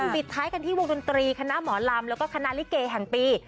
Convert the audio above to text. ปิดท้ายกันที่วงดนตรีคณะหมอลำแล้วก็คณะลิเกแห่งปี